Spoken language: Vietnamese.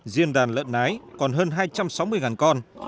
riêng đàn lợn nái còn hơn hai trăm sáu mươi con